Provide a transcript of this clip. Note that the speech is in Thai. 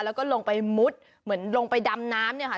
แล้วก็ลงไปมุดเหมือนลงไปดำน้ำเนี่ยค่ะ